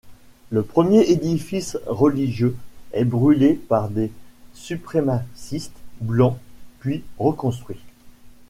Le premier édifice religieux est brulé par des suprémacistes blancs puis reconstruit.